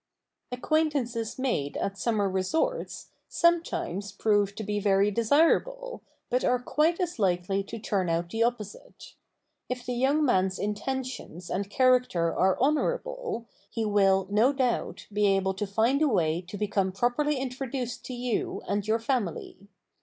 Acquaintances made at summer resorts sometimes prove to be very desirable, but are quite as likely to turn out the opposite. If the young man's intentions and character are honorable, he will no doubt be able to find a way to become properly introduced to you and your family.